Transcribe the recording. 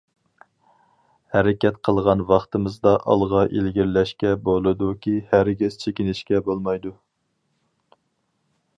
ھەرىكەت قىلغان ۋاقتىمىزدا ئالغا ئىلگىرىلەشكە بولىدۇكى ھەرگىز چېكىنىشكە بولمايدۇ.